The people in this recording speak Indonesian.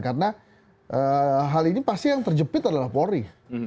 karena hal ini pasti yang terjepit adalah polri